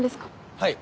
はい。